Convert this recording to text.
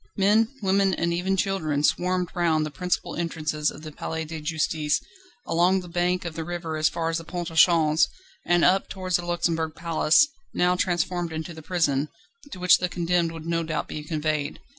Men, women, and even children swarmed round the principal entrances of the Palais de Justice, along the bank of the river as far as the Pont au Change, and up towards the Luxembourg Palace, now transformed into the prison, to which the condemned would no doubt be conveyed.